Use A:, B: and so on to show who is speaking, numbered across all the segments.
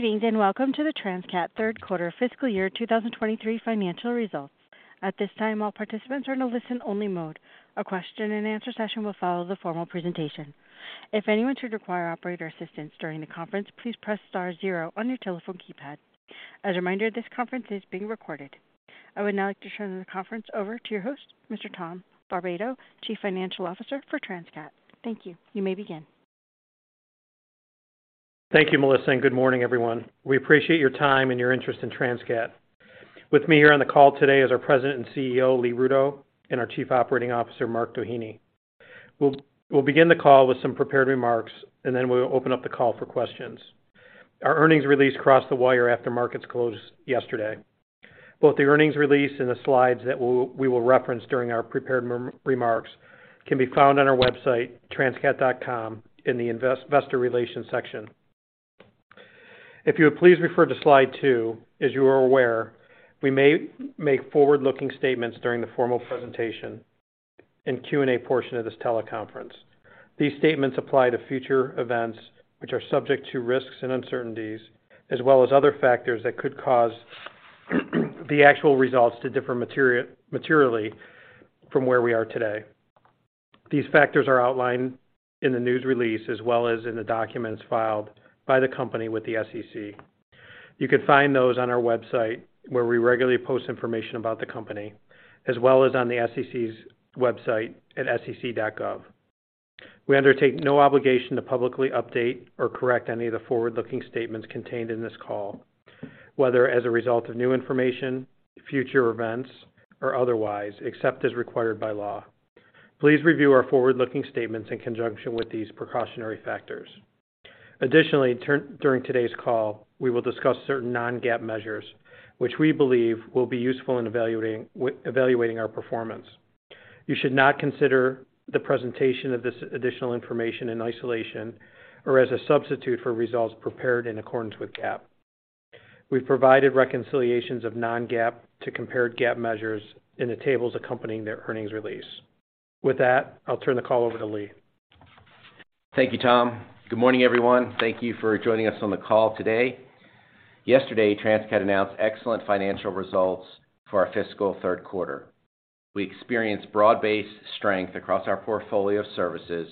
A: Greetings, and welcome to the Transcat third quarter fiscal year 2023 financial results. At this time, all participants are in a listen-only mode. A question and answer session will follow the formal presentation. If anyone should require operator assistance during the conference, please press star zero on your telephone keypad. As a reminder, this conference is being recorded. I would now like to turn the conference over to your host, Mr. Tom Barbato, Chief Financial Officer for Transcat. Thank you. You may begin.
B: Thank you, Melissa. Good morning, everyone. We appreciate your time and your interest in Transcat. With me here on the call today is our President and CEO, Lee Rudow, and our Chief Operating Officer, Mark Doheny. We'll begin the call with some prepared remarks, then we'll open up the call for questions. Our earnings release crossed the wire after markets closed yesterday. Both the earnings release and the slides that we will reference during our prepared remarks can be found on our website, transcat.com in the Investor Relations section. If you would please refer to slide two. As you are aware, we may make forward-looking statements during the formal presentation and Q&A portion of this teleconference. These statements apply to future events which are subject to risks and uncertainties, as well as other factors that could cause the actual results to differ materially from where we are today. These factors are outlined in the news release as well as in the documents filed by the company with the SEC. You can find those on our website, where we regularly post information about the company as well as on the SEC's website at sec.gov. We undertake no obligation to publicly update or correct any of the forward-looking statements contained in this call, whether as a result of new information, future events, or otherwise, except as required by law. Please review our forward-looking statements in conjunction with these precautionary factors. Additionally, during today's call, we will discuss certain non-GAAP measures which we believe will be useful in evaluating our performance. You should not consider the presentation of this additional information in isolation or as a substitute for results prepared in accordance with GAAP. We've provided reconciliations of non-GAAP to compared GAAP measures in the tables accompanying their earnings release. I'll turn the call over to Lee.
C: Thank you, Tom. Good morning, everyone. Thank you for joining us on the call today. Yesterday, Transcat announced excellent financial results for our fiscal third quarter. We experienced broad-based strength across our portfolio of services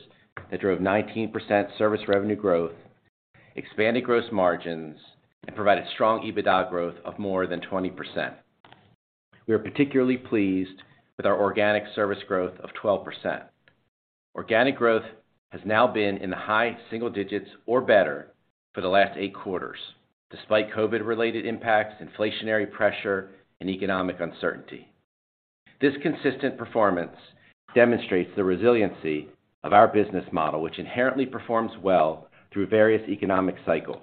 C: that drove 19% service revenue growth, expanded gross margins, and provided strong EBITDA growth of more than 20%. We are particularly pleased with our organic service growth of 12%. Organic growth has now been in the high single digits or better for the last eight quarters, despite COVID-related impacts, inflationary pressure, and economic uncertainty. This consistent performance demonstrates the resiliency of our business model, which inherently performs well through various economic cycles.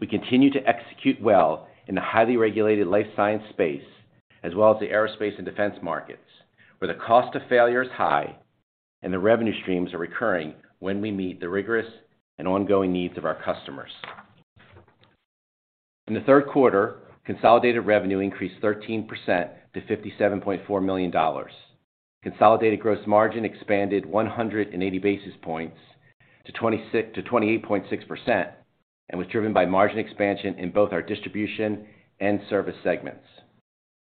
C: We continue to execute well in the highly regulated life science space as well as the aerospace and defense markets, where the cost of failure is high and the revenue streams are recurring when we meet the rigorous and ongoing needs of our customers. In the third quarter, consolidated revenue increased 13% to $57.4 million. Consolidated gross margin expanded 180 basis points to 28.6% and was driven by margin expansion in both our distribution and service segments.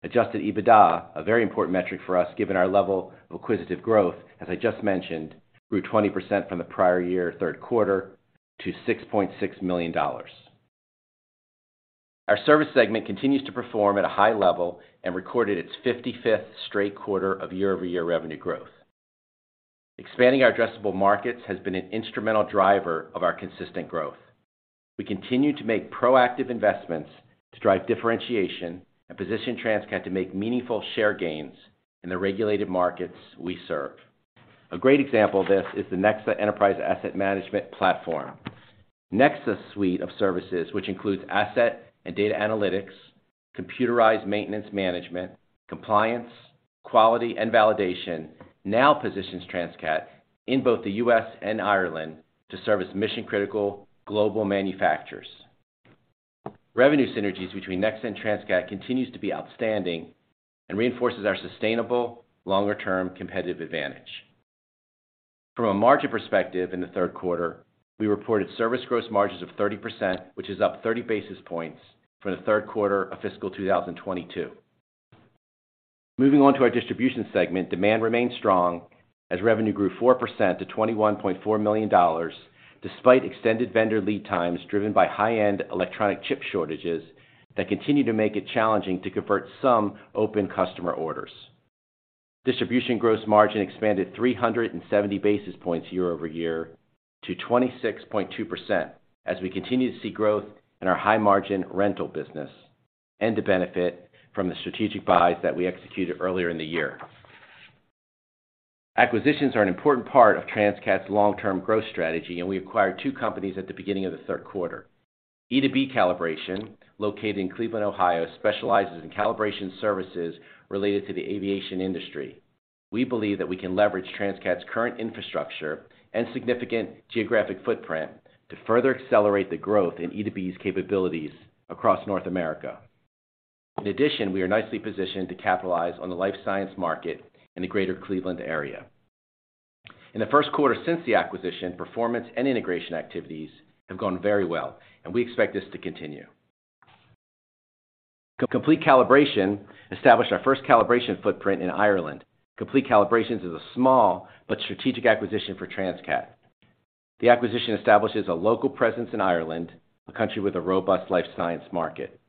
C: Adjusted EBITDA, a very important metric for us given our level of acquisitive growth, as I just mentioned, grew 20% from the prior year third quarter to $6.6 million. Our service segment continues to perform at a high level and recorded its 55th straight quarter of year-over-year revenue growth. Expanding our addressable markets has been an instrumental driver of our consistent growth. We continue to make proactive investments to drive differentiation and position Transcat to make meaningful share gains in the regulated markets we serve. A great example of this is the NEXA Enterprise Asset Management platform. NEXA's suite of services, which includes asset and data analytics, computerized maintenance management, compliance, quality, and validation, now positions Transcat in both the U.S. and Ireland to service mission-critical global manufacturers. Revenue synergies between NEXA and Transcat continues to be outstanding and reinforces our sustainable longer-term competitive advantage. From a margin perspective in the third quarter, we reported service gross margins of 30%, which is up 30 basis points from the third quarter of fiscal 2022. Moving on to our distribution segment, demand remained strong as revenue grew 4% to $21.4 million, despite extended vendor lead times driven by high-end electronic chip shortages that continue to make it challenging to convert some open customer orders. Distribution gross margin expanded 370 basis points year-over-year to 26.2% as we continue to see growth in our high-margin rental business and the benefit from the strategic buys that we executed earlier in the year. Acquisitions are an important part of Transcat's long-term growth strategy, and we acquired two companies at the beginning of the third quarter. e2b calibration, located in Cleveland, Ohio, specializes in calibration services related to the aviation industry. We believe that we can leverage Transcat's current infrastructure and significant geographic footprint to further accelerate the growth in e2b's capabilities across North America. In addition, we are nicely positioned to capitalize on the life science market in the greater Cleveland area. In the first quarter since the acquisition, performance and integration activities have gone very well, and we expect this to continue. Complete Calibrations established our first calibration footprint in Ireland. Complete Calibrations is a small but strategic acquisition for Transcat. The acquisition establishes a local presence in Ireland, a country with a robust life science market.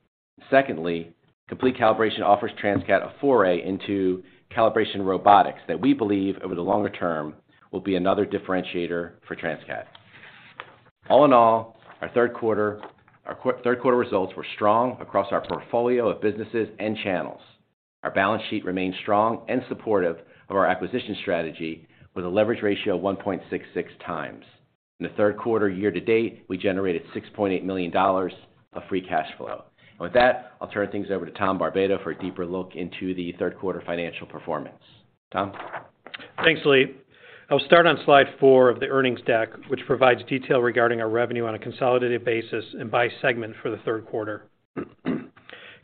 C: Secondly, Complete Calibrations offers Transcat a foray into calibration robotics that we believe over the longer term will be another differentiator for Transcat. Our third quarter results were strong across our portfolio of businesses and channels. Our balance sheet remains strong and supportive of our acquisition strategy with a leverage ratio of 1.66x. In the third quarter year to date, we generated $6.8 million of free cash flow. With that, I'll turn things over to Tom Barbato for a deeper look into the third quarter financial performance. Tom.
B: Thanks, Lee. I'll start on slide four of the earnings deck, which provides detail regarding our revenue on a consolidated basis and by segment for the third quarter.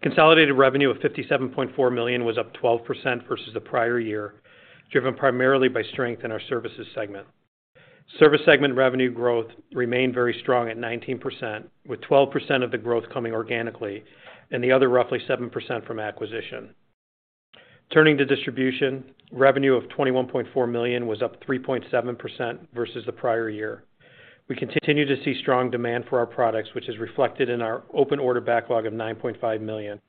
B: Consolidated revenue of $57.4 million was up 12% versus the prior year, driven primarily by strength in our services segment. Service segment revenue growth remained very strong at 19%, with 12% of the growth coming organically and the other roughly 7% from acquisition. Turning to distribution, revenue of $21.4 million was up 3.7% versus the prior year. We continue to see strong demand for our products, which is reflected in our open order backlog of $9.5 million,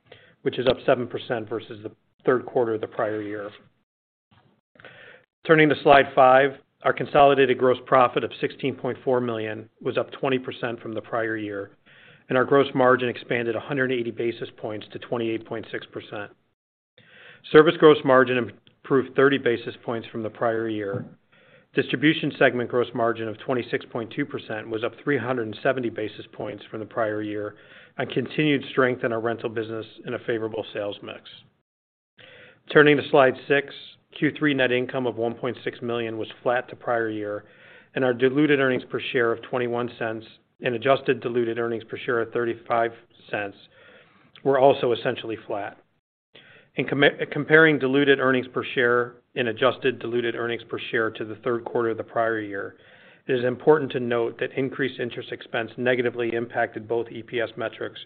B: which is up 7% versus the third quarter of the prior year. Turning to slide five, our consolidated gross profit of $16.4 million was up 20% from the prior year, and our gross margin expanded 180 basis points to 28.6%. Service gross margin improved 30 basis points from the prior year. Distribution segment gross margin of 26.2% was up 370 basis points from the prior year, a continued strength in our rental business in a favorable sales mix. Turning to slide 6, Q3 net income of $1.6 million was flat to prior year, and our diluted earnings per share of $0.21 and adjusted diluted earnings per share of $0.35 were also essentially flat. In comparing diluted earnings per share and adjusted diluted earnings per share to the third quarter of the prior year, it is important to note that increased interest expense negatively impacted both EPS metrics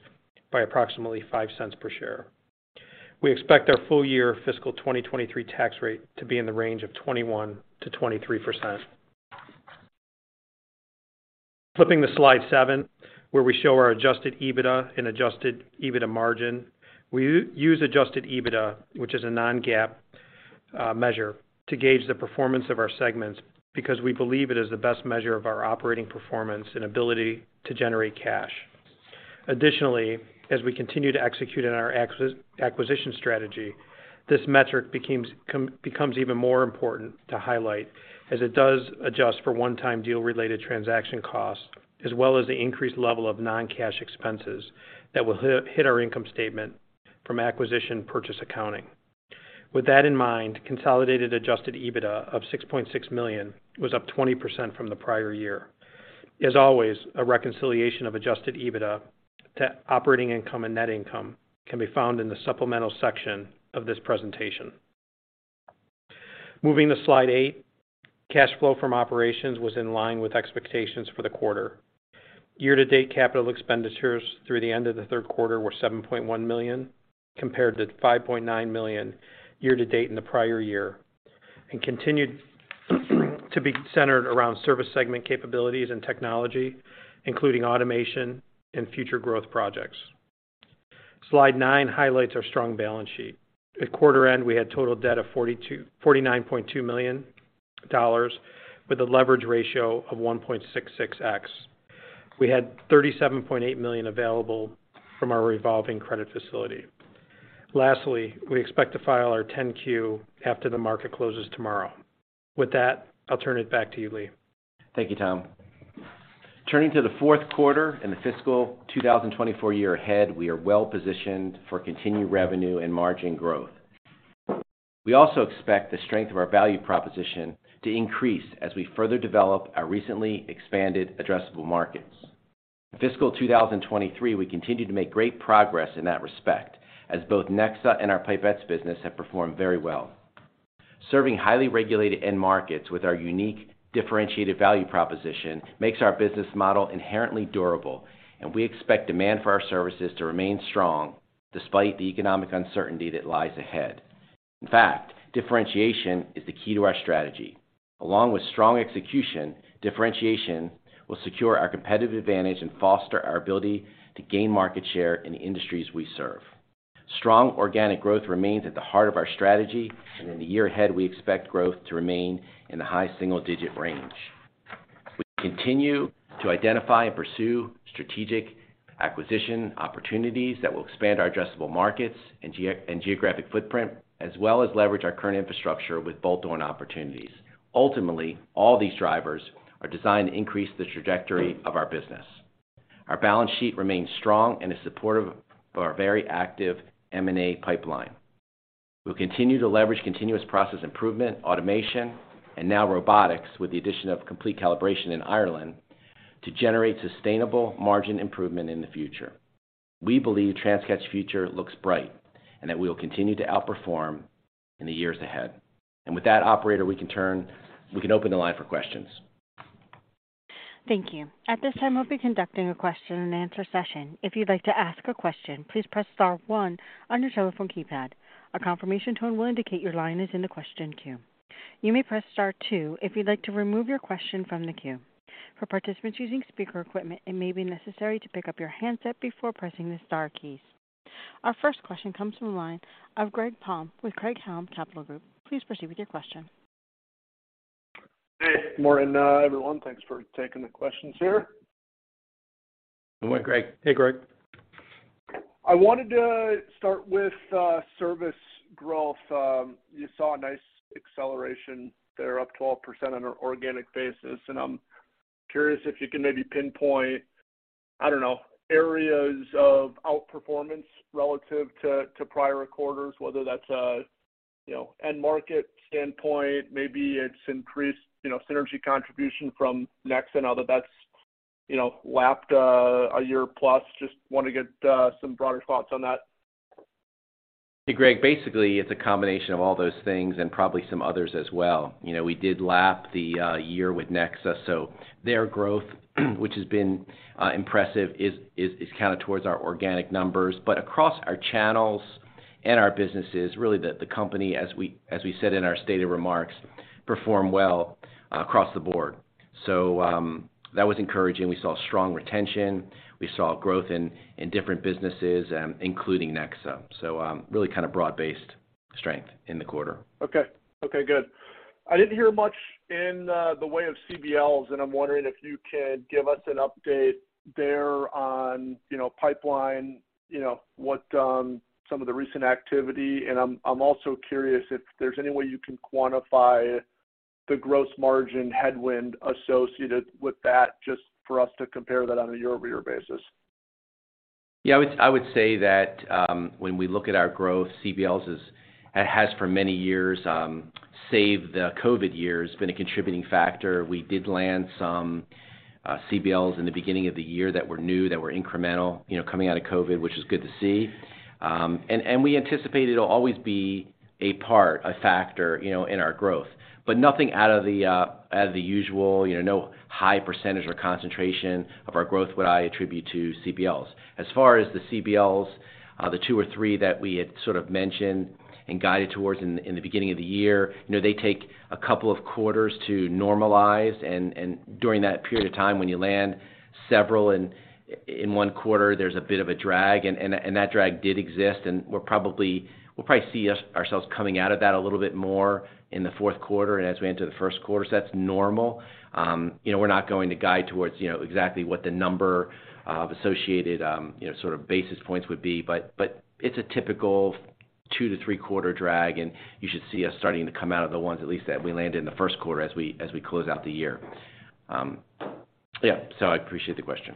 B: by approximately $0.05 per share. We expect our full year fiscal 2023 tax rate to be in the range of 21%-23%. Flipping to slide seven, where we show our Adjusted EBITDA and Adjusted EBITDA margin. We use Adjusted EBITDA, which is a non-GAAP measure to gauge the performance of our segments because we believe it is the best measure of our operating performance and ability to generate cash. Additionally, as we continue to execute on our acquisition strategy, this metric becomes even more important to highlight as it does adjust for one-time deal related transaction costs, as well as the increased level of non-cash expenses that will hit our income statement from acquisition purchase accounting. With that in mind, consolidated Adjusted EBITDA of $6.6 million was up 20% from the prior year. As always, a reconciliation of Adjusted EBITDA to operating income and net income can be found in the supplemental section of this presentation. Moving to slide eight, cash flow from operations was in line with expectations for the quarter. Year to date capital expenditures through the end of the third quarter were $7.1 million, compared to $5.9 million year to date in the prior year, continued to be centered around service segment capabilities and technology, including automation and future growth projects. Slide nine highlights our strong balance sheet. At quarter end, we had total debt of $49.2 million with a leverage ratio of 1.66x. We had $37.8 million available from our revolving credit facility. We expect to file our 10-Q after the market closes tomorrow. I'll turn it back to you, Lee.
C: Thank you, Tom. Turning to the fourth quarter and the fiscal 2024 year ahead, we are well-positioned for continued revenue and margin growth. We also expect the strength of our value proposition to increase as we further develop our recently expanded addressable markets. Fiscal 2023, we continued to make great progress in that respect as both NEXA and our Pipettes business have performed very well. Serving highly regulated end markets with our unique differentiated value proposition makes our business model inherently durable, and we expect demand for our services to remain strong despite the economic uncertainty that lies ahead. In fact, differentiation is the key to our strategy. Along with strong execution, differentiation will secure our competitive advantage and foster our ability to gain market share in the industries we serve. Strong organic growth remains at the heart of our strategy. In the year ahead, we expect growth to remain in the high single-digit range. We continue to identify and pursue strategic acquisition opportunities that will expand our addressable markets and geographic footprint, as well as leverage our current infrastructure with bolt-on opportunities. Ultimately, all these drivers are designed to increase the trajectory of our business. Our balance sheet remains strong and is supportive of our very active M&A pipeline. We'll continue to leverage continuous process improvement, automation, and now robotics with the addition of Complete Calibrations in Ireland to generate sustainable margin improvement in the future. We believe Transcat's future looks bright and that we will continue to outperform in the years ahead. With that operator, we can open the line for questions.
A: Thank you. At this time, we'll be conducting a question and answer session. If you'd like to ask a question, please press star one on your telephone keypad. A confirmation tone will indicate your line is in the question queue. You may press star two if you'd like to remove your question from the queue. For participants using speaker equipment, it may be necessary to pick up your handset before pressing the star keys. Our first question comes from the line of Greg Palm with Craig-Hallum Capital Group. Please proceed with your question.
D: Hey. Morning, everyone. Thanks for taking the questions here.
C: Good morning, Greg.
B: Hey, Greg.
D: I wanted to start with service growth. You saw a nice acceleration there, up 12% on an organic basis. I'm curious if you can maybe pinpoint, I don't know, areas of outperformance relative to prior quarters, whether that's an end market standpoint, maybe it's increased synergy contribution from NEXA, now that that's lapped 1+ year. Just wanna get some broader thoughts on that.
C: Hey, Greg. Basically, it's a combination of all those things and probably some others as well. You know, we did lap the year with NEXA, so their growth which has been impressive, is kinda towards our organic numbers. Across our channels and our businesses, really, the company, as we said in our stated remarks, performed well across the board. That was encouraging. We saw strong retention. We saw growth in different businesses, including NEXA. Really kind of broad-based strength in the quarter.
D: Okay. Okay, good. I didn't hear much in the way of CBLs, and I'm wondering if you can give us an update there on, you know, pipeline, you know, what, some of the recent activity. I'm also curious if there's any way you can quantify the gross margin headwind associated with that, just for us to compare that on a year-over-year basis.
C: I would say that when we look at our growth, CBLs it has, for many years, save the COVID years, been a contributing factor. We did land some CBLs in the beginning of the year that were new, that were incremental, you know, coming out of COVID, which is good to see. We anticipate it'll always be a part, a factor, you know, in our growth. Nothing out of the usual. You know, no high percentage or concentration of our growth would I attribute to CBLs. As far as the CBLs, the two or three that we had sort of mentioned and guided towards in the beginning of the year, you know, they take a couple of quarters to normalize. During that period of time, when you land several in one quarter, there's a bit of a drag, and that drag did exist. We'll probably see ourselves coming out of that a little bit more in the fourth quarter and as we enter the first quarter. That's normal. You know, we're not going to guide towards, you know, exactly what the number of associated, you know, sort of basis points would be, but it's a typical two- to three-quarter drag, and you should see us starting to come out of the ones at least that we landed in the first quarter as we close out the year. Yeah, I appreciate the question.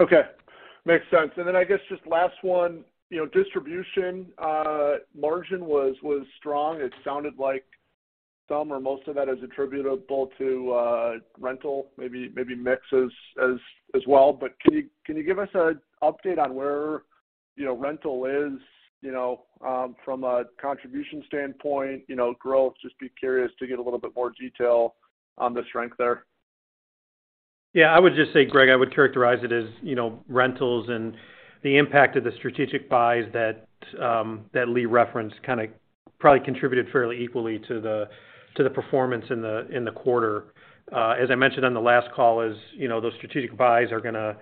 D: Okay. Makes sense. I guess just last one. You know, distribution margin was strong. It sounded like some or most of that is attributable to rental, maybe mix as well. Can you give us a update on where, you know, rental is, you know, from a contribution standpoint? You know, growth. Just be curious to get a little bit more detail on the strength there.
B: I would just say, Greg, I would characterize it as, you know, rentals and the impact of the strategic buys that Lee referenced kinda probably contributed fairly equally to the performance in the quarter. As I mentioned on the last call is, you know, those strategic buys are gonna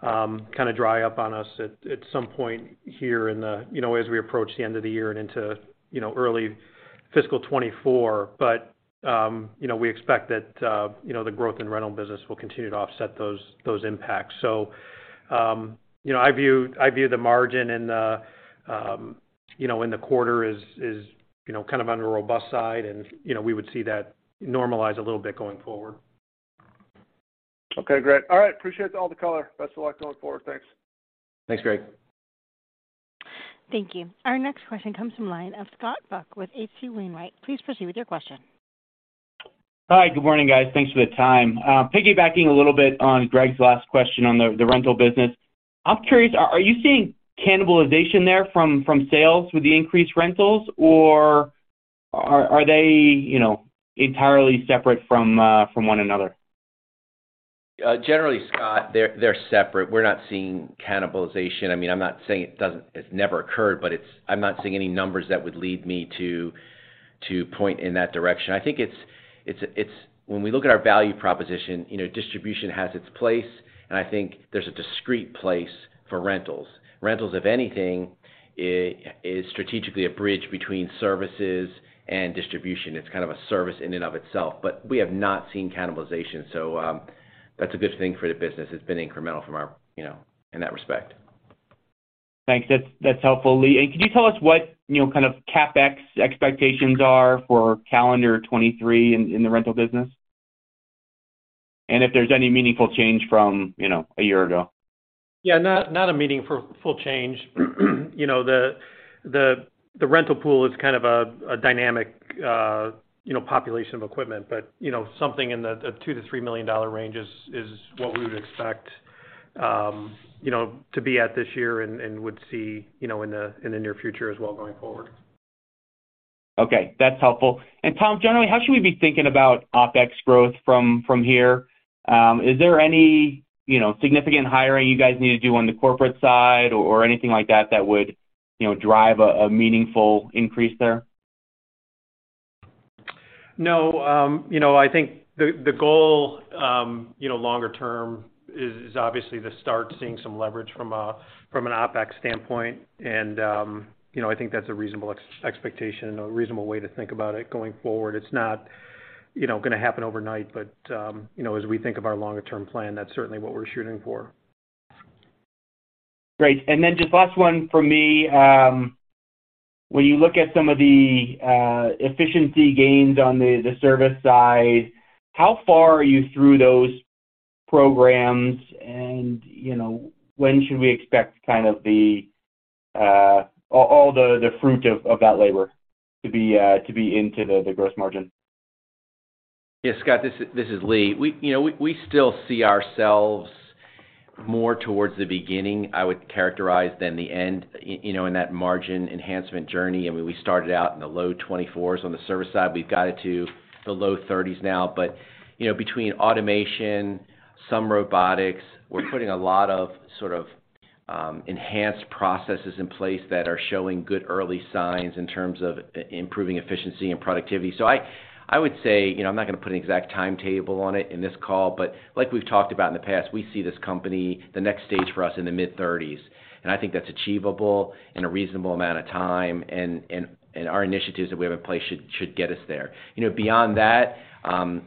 B: kinda dry up on us at some point here in the, you know, as we approach the end of the year and into, you know, early fiscal 2024. You know, we expect that, you know, the growth in rental business will continue to offset those impacts. You know, I view the margin in the, you know, in the quarter as, you know, kind of on the robust side and, you know, we would see that normalize a little bit going forward.
D: Okay. Great. All right. Appreciate all the color. Best of luck going forward. Thanks.
C: Thanks, Greg.
A: Thank you. Our next question comes from line of Scott Buck with H.C. Wainwright. Please proceed with your question.
E: Hi. Good morning, guys. Thanks for the time. Piggybacking a little bit on Greg's last question on the rental business. I'm curious, are you seeing cannibalization there from sales with the increased rentals, or are they, you know, entirely separate from one another?
C: Generally, Scott, they're separate. We're not seeing cannibalization. I mean, I'm not saying it's never occurred, but I'm not seeing any numbers that would lead me to point in that direction. I think when we look at our value proposition, you know, distribution has its place, and I think there's a discrete place for rentals. Rentals, if anything, is strategically a bridge between services and distribution. It's kind of a service in and of itself. We have not seen cannibalization, that's a good thing for the business. It's been incremental from our, you know, in that respect.
E: Thanks. That's helpful, Lee. Can you tell us what, you know, kind of CapEx expectations are for calendar 2023 in the rental business, and if there's any meaningful change from, you know, a year ago?
B: Yeah. Not, not a meaningful change. You know, the, the rental pool is kind of a dynamic, you know, population of equipment. You know, something in the $2 million-$3 million range is what we would expect, you know, to be at this year and would see, you know, in the, in the near future as well going forward.
E: Okay, that's helpful. Tom, generally, how should we be thinking about OpEx growth from here? Is there any, you know, significant hiring you guys need to do on the corporate side or anything like that that would, you know, drive a meaningful increase there?
B: No. you know, I think the goal, you know, longer term is obviously to start seeing some leverage from a, from an OpEx standpoint. you know, I think that's a reasonable expectation and a reasonable way to think about it going forward. It's not, you know, gonna happen overnight, but, you know, as we think of our longer term plan, that's certainly what we're shooting for.
E: Great. Just last one from me? When you look at some of the efficiency gains on the service side, how far are you through those programs? You know, when should we expect kind of the all the fruit of that labor to be into the growth margin?
C: Scott, this is Lee. You know, we still see ourselves more towards the beginning, I would characterize than the end, you know, in that margin enhancement journey. I mean, we started out in the low 24s on the service side. We've got it to the low 30s now. You know, between automation, some robotics, we're putting a lot of sort of enhanced processes in place that are showing good early signs in terms of improving efficiency and productivity. I would say, you know, I'm not gonna put an exact timetable on it in this call, but like we've talked about in the past, we see this company, the next stage for us in the mid-30s, and I think that's achievable in a reasonable amount of time. Our initiatives that we have in place should get us there. You know, beyond that,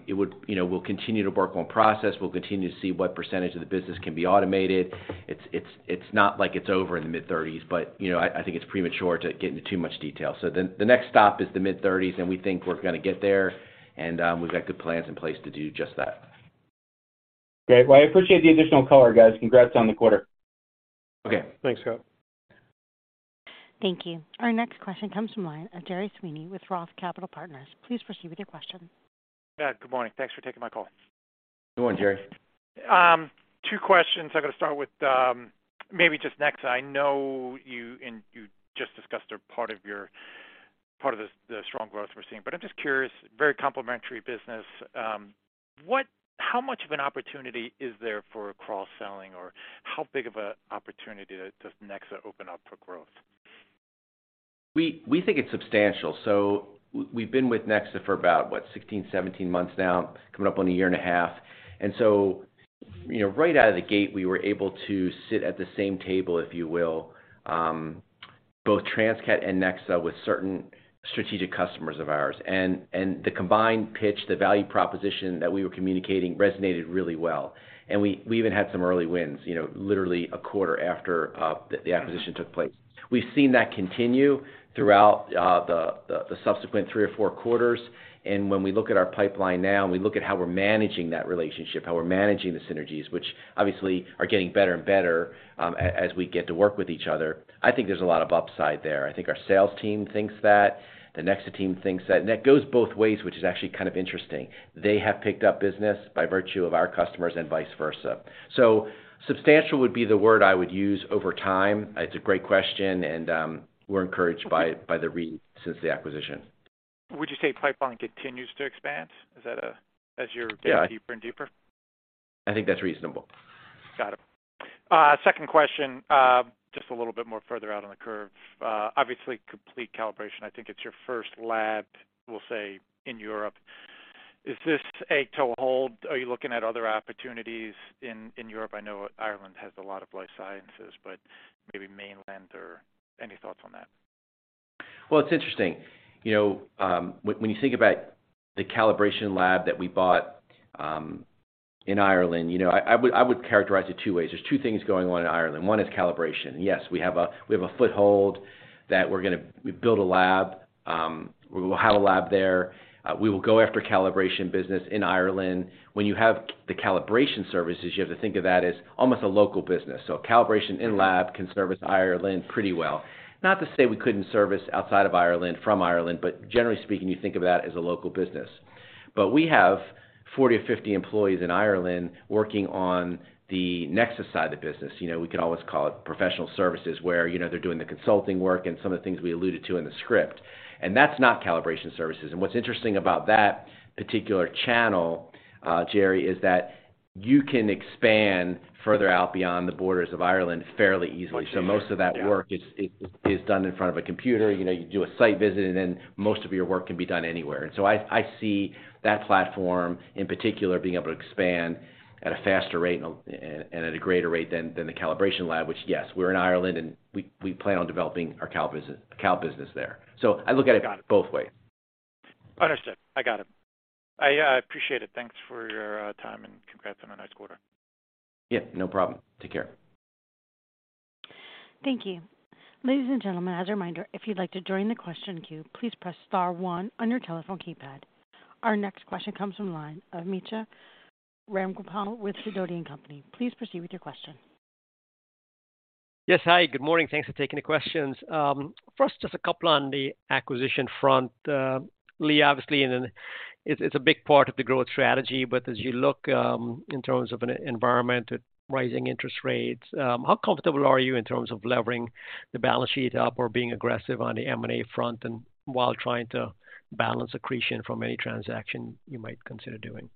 C: you know, we'll continue to work on process. We'll continue to see what percentage of the business can be automated. It's not like it's over in the mid-30s, but, you know, I think it's premature to get into too much detail. The next stop is the mid-30s, and we think we're gonna get there, and, we've got good plans in place to do just that.
E: Great. Well, I appreciate the additional color, guys. Congrats on the quarter.
C: Okay.
B: Thanks, Scott.
A: Thank you. Our next question comes from line of Gerard Sweeney with Roth Capital Partners. Please proceed with your question.
F: Yeah. Good morning. Thanks for taking my call.
C: Good morning, Jerry Sweeney.
F: Two questions. I'm gonna start with maybe just NEXA. I know you and you just discussed a part of the strong growth we're seeing, but I'm just curious, very complementary business, how much of an opportunity is there for cross-selling or how big of a opportunity does NEXA open up for growth?
C: We think it's substantial. We've been with NEXA for about, what, 16, 17 months now, coming up on a year and a half. You know, right out of the gate, we were able to sit at the same table, if you will, both Transcat and NEXA with certain strategic customers of ours. The combined pitch, the value proposition that we were communicating resonated really well. We even had some early wins, you know, literally a quarter after the acquisition took place. We've seen that continue throughout the subsequent three or four quarters. When we look at our pipeline now and we look at how we're managing that relationship, how we're managing the synergies, which obviously are getting better and better, as we get to work with each other, I think there's a lot of upside there. I think our sales team thinks that, the NEXA team thinks that. That goes both ways, which is actually kind of interesting. They have picked up business by virtue of our customers and vice versa. Substantial would be the word I would use over time. It's a great question, and we're encouraged by it, by the read since the acquisition.
F: Would you say pipeline continues to expand? Is that a... As you're-?
C: Yeah.
F: digging deeper and deeper?
C: I think that's reasonable.
F: Got it. Second question, just a little bit more further out on the curve. Obviously, Complete Calibrations. I think it's your first lab, we'll say, in Europe. Is this a toe hold? Are you looking at other opportunities in Europe? I know Ireland has a lot of life sciences, maybe mainland or any thoughts on that?
C: Well, it's interesting. You know, when you think about the calibration lab that we bought in Ireland, you know, I would characterize it two ways. There's two things going on in Ireland. One is calibration. Yes, we have a foothold that we're gonna build a lab. We will have a lab there. We will go after calibration business in Ireland. When you have the calibration services, you have to think of that as almost a local business. Calibration in lab can service Ireland pretty well. Not to say we couldn't service outside of Ireland from Ireland, generally speaking, you think of that as a local business. We have 40-50 employees in Ireland working on the NEXA side of the business. You know, we could always call it professional services, where, you know, they're doing the consulting work and some of the things we alluded to in the script. That's not calibration services. What's interesting about that particular channel, Gerard, is that you can expand further out beyond the borders of Ireland fairly easily.
F: I see. Yeah.
C: Most of that work is done in front of a computer. You know, you do a site visit, and then most of your work can be done anywhere. I see that platform in particular being able to expand at a faster rate and at a greater rate than the calibration lab, which, yes, we're in Ireland, and we plan on developing our cal business there. I look at it both ways.
F: Understood. I got it. I appreciate it. Thanks for your time. Congrats on a nice quarter.
C: Yeah, no problem. Take care.
A: Thank you. Ladies and gentlemen, as a reminder, if you'd like to join the question queue, please press star one on your telephone keypad. Our next question comes from line of Mitra Ramgopal with Sidoti & Company. Please proceed with your question.
G: Yes. Hi, good morning. Thanks for taking the questions. First, just a couple on the acquisition front. Lee, obviously in the It's a big part of the growth strategy, but as you look, in terms of an environment with rising interest rates, how comfortable are you in terms of levering the balance sheet up or being aggressive on the M&A front and while trying to balance accretion from any transaction you might consider doing?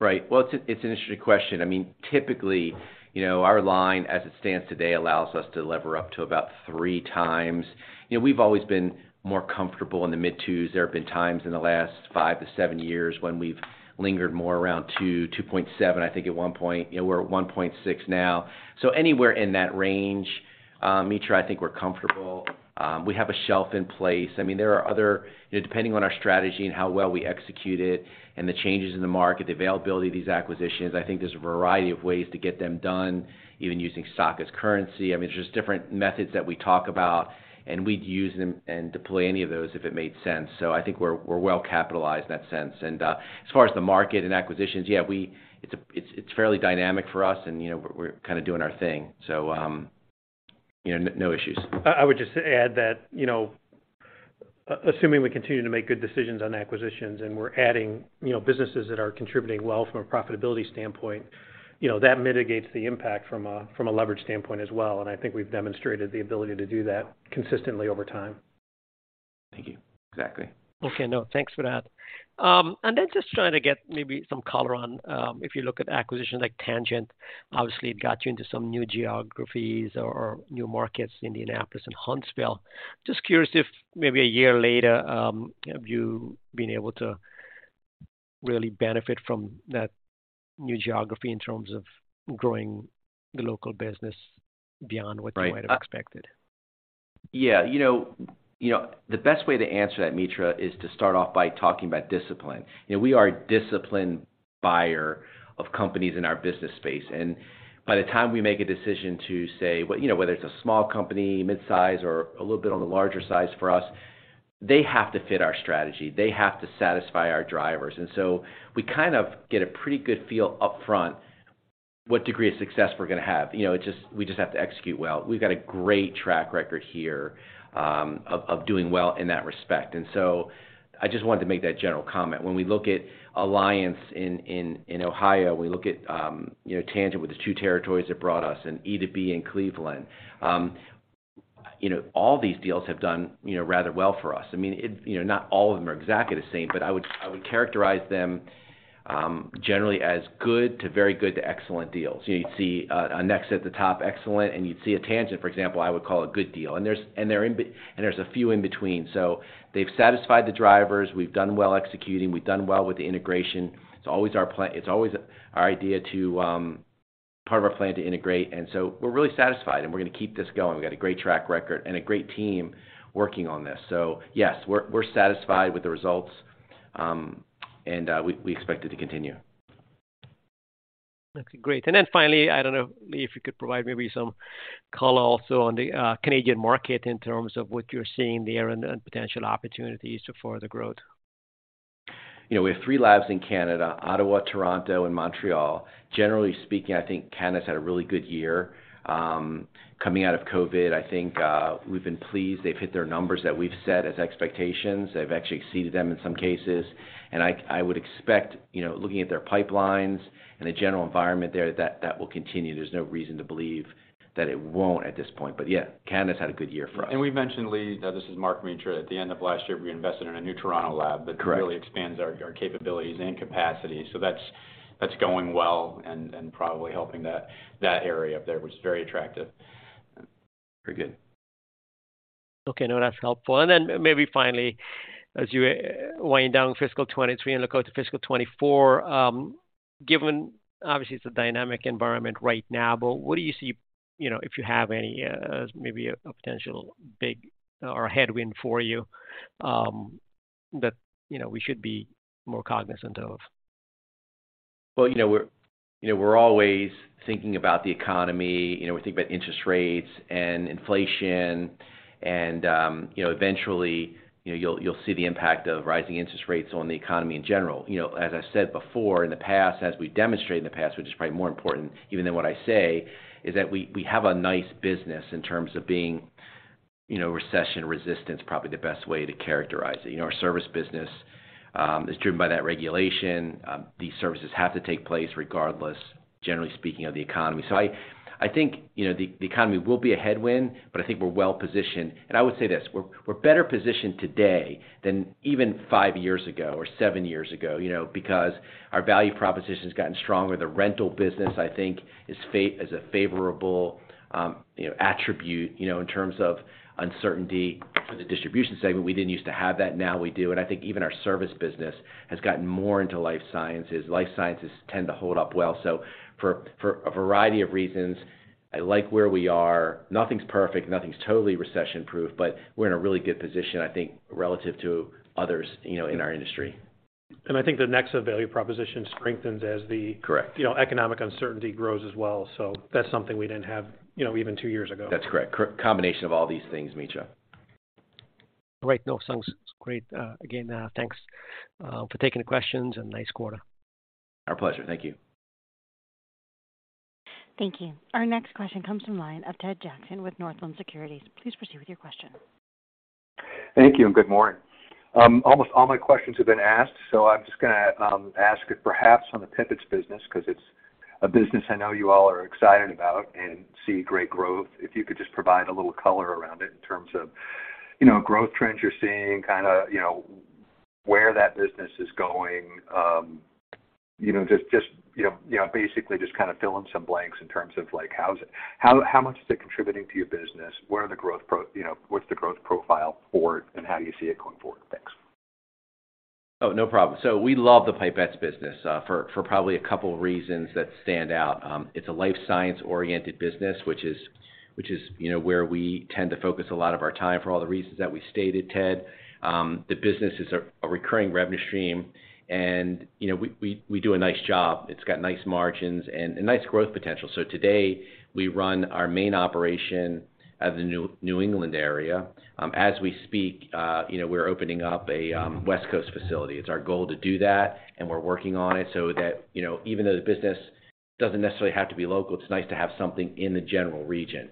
C: Right. Well, it's an interesting question. I mean, typically, you know, our line as it stands today allows us to lever up to about 3x. You know, we've always been more comfortable in the mid-twos. There have been times in the last five to seven years when we've lingered more around 2.7, I think at one point. You know, we're at 1.6 now. Anywhere in that range, Mitra, I think we're comfortable. We have a shelf in place. You know, depending on our strategy and how well we execute it and the changes in the market, the availability of these acquisitions, I think there's a variety of ways to get them done, even using stock as currency. I mean, there's just different methods that we talk about, and we'd use them and deploy any of those if it made sense. I think we're well-capitalized in that sense. As far as the market and acquisitions, yeah, It's fairly dynamic for us and, you know, we're kind of doing our thing. You know, no issues.
B: I would just add that, you know, assuming we continue to make good decisions on acquisitions and we're adding, you know, businesses that are contributing well from a profitability standpoint, you know, that mitigates the impact from a leverage standpoint as well, and I think we've demonstrated the ability to do that consistently over time.
C: Thank you. Exactly.
G: Okay. No, thanks for that. Just trying to get maybe some color on, if you look at acquisitions like Tangent, obviously it got you into some new geographies or new markets, Indianapolis and Huntsville. Just curious if maybe a year later, have you been able to really benefit from that new geography in terms of growing the local business beyond what-
C: Right.
G: You might have expected?
C: Yeah. You know, the best way to answer that, Mitra, is to start off by talking about discipline. You know, we are a disciplined buyer of companies in our business space. By the time we make a decision to say, You know, whether it's a small company, mid-size or a little bit on the larger size for us, they have to fit our strategy. They have to satisfy our drivers. So we kind of get a pretty good feel upfront what degree of success we're gonna have. You know, We just have to execute well. We've got a great track record here of doing well in that respect. So I just wanted to make that general comment. When we look at Alliance in, in Ohio, we look at, you know, Tangent with the two territories that brought us and e2b in Cleveland, you know, all these deals have done, you know, rather well for us. I mean, you know, not all of them are exactly the same, but I would, I would characterize them, generally as good to very good to excellent deals. You'd see a NEXA at the top, excellent, and you'd see a Tangent, for example, I would call a good deal. There's a few in between. They've satisfied the drivers. We've done well executing. We've done well with the integration. It's always our plan. It's always our idea to, part of our plan to integrate, and so we're really satisfied, and we're gonna keep this going. We've got a great track record and a great team working on this. Yes, we're satisfied with the results, and, we expect it to continue.
G: Okay, great. Then finally, I don't know, Lee, if you could provide maybe some color also on the Canadian market in terms of what you're seeing there and the potential opportunities for further growth?
C: You know, we have three labs in Canada, Ottawa, Toronto and Montreal. Generally speaking, I think Canada's had a really good year. Coming out of COVID, I think, we've been pleased they've hit their numbers that we've set as expectations. They've actually exceeded them in some cases. I would expect, you know, looking at their pipelines and the general environment there, that that will continue. There's no reason to believe that it won't at this point. Yeah, Canada's had a good year for us.
H: We mentioned, Lee, this is Mark Doheny, at the end of last year, we invested in a new Toronto lab.
C: Correct.
H: That really expands our capabilities and capacity. That's going well and probably helping that area up there, which is very attractive.
C: Very good.
G: Okay. No, that's helpful. Then maybe finally, as you're weighing down fiscal 2023 and look out to fiscal 2024, given obviously it's a dynamic environment right now, what do you see, you know, if you have any, maybe a potential big or a headwind for you, that, you know, we should be more cognizant of?
C: you know, we're always thinking about the economy. You know, we think about interest rates and inflation and, you know, eventually, you'll see the impact of rising interest rates on the economy in general. You know, as I said before, in the past, as we demonstrated in the past, which is probably more important even than what I say, is that we have a nice business in terms of being, you know, recession-resistant is probably the best way to characterize it. You know, our service business, is driven by that regulation. These services have to take place regardless, generally speaking, of the economy. I think, you know, the economy will be a headwind, but I think we're well-positioned. I would say this: we're better positioned today than even five years ago or seven years ago, you know, because our value proposition has gotten stronger. The rental business, I think, is a favorable, you know, attribute, you know, in terms of uncertainty for the distribution segment. We didn't used to have that. Now we do. I think even our service business has gotten more into life sciences. Life sciences tend to hold up well. For a variety of reasons, I like where we are. Nothing's perfect, nothing's totally recession-proof, but we're in a really good position, I think, relative to others, you know, in our industry.
B: I think the NEXA value proposition strengthens as the-
C: Correct.
B: you know, economic uncertainty grows as well. That's something we didn't have, you know, even two years ago.
C: That's correct. Combination of all these things, Mitra.
G: Great. No, sounds great. Again, thanks for taking the questions and nice quarter.
C: Our pleasure. Thank you.
A: Thank you. Our next question comes from line of Ted Jackson with Northland Securities. Please proceed with your question.
I: Thank you. Good morning. Almost all my questions have been asked, so I'm just gonna ask perhaps on the Pipettes business, 'cause it's a business I know you all are excited about and see great growth. If you could just provide a little color around it in terms of, you know, growth trends you're seeing, kinda, you know, where that business is going. you know, just, you know, basically just kinda fill in some blanks in terms of like How much is it contributing to your business? What's the growth profile for it, and how do you see it going forward? Thanks.
C: No problem. We love the Pipettes business for probably a couple reasons that stand out. It's a life science-oriented business, which is, you know, where we tend to focus a lot of our time for all the reasons that we stated, Ted. The business is a recurring revenue stream, and, you know, we do a nice job. It's got nice margins and nice growth potential. Today, we run our main operation out of the New England area. As we speak, you know, we're opening up a West Coast facility. It's our goal to do that, and we're working on it so that, you know, even though the business doesn't necessarily have to be local, it's nice to have something in the general region.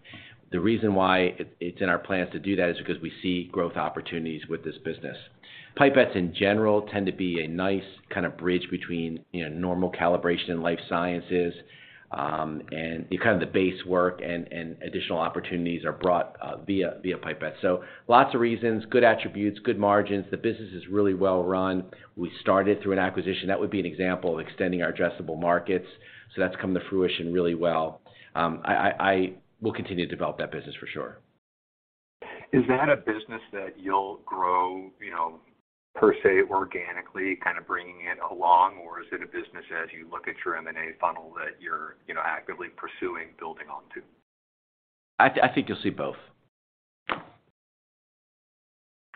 C: The reason why it's in our plans to do that is because we see growth opportunities with this business. Pipettes in general tend to be a nice kind of bridge between, you know, normal calibration in life sciences. Kind of the base work and additional opportunities are brought via Pipettes. Lots of reasons, good attributes, good margins. The business is really well-run. We started through an acquisition. That would be an example of extending our addressable markets, that's come to fruition really well. We'll continue to develop that business for sure.
I: Is that a business that you'll grow, you know, per se, organically, kinda bringing it along? Or is it a business as you look at your M&A funnel that you're, you know, actively pursuing building onto?
C: I think you'll see both.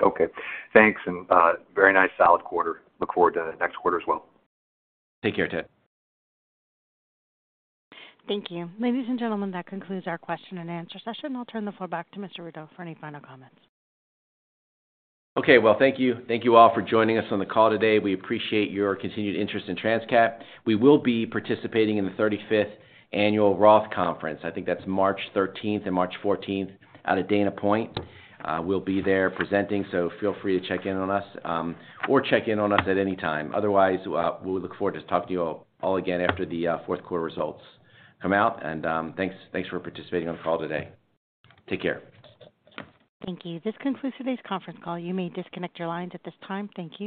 I: Okay. Thanks, very nice solid quarter. Look forward to the next quarter as well.
C: Take care, Ted.
A: Thank you. Ladies and gentlemen, that concludes our question and answer session. I'll turn the floor back to Mr. Rudow for any final comments.
C: Okay. Well, thank you. Thank you all for joining us on the call today. We appreciate your continued interest in Transcat. We will be participating in the 35th Annual Roth Conference. I think that's March 13th and March 14th out at Dana Point. We'll be there presenting, so feel free to check in on us at any time. Otherwise, we look forward to talking to you all again after the fourth quarter results come out, and thanks for participating on the call today. Take care.
A: Thank you. This concludes today's conference call. You may disconnect your lines at this time. Thank you.